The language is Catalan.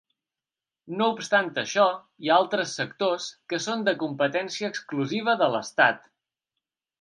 No obstant això, hi ha altres sectors que són de competència exclusiva de l'Estat.